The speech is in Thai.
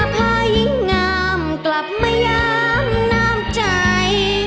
พายิ่งงามกลับมายามน้ำใจ